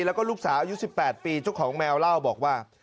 แล้วก็ลูกสาวอายุ๑๘ปีเจ้าของแมวเล่าบอกว่า